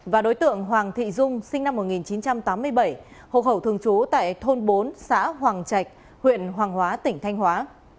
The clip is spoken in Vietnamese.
và đối tượng hoàng thị dung sinh năm một nghìn chín trăm tám mươi bảy hộ khẩu thường trú tại thôn bốn xã hoàng trạch huyện hoàng hóa tỉnh thanh hóa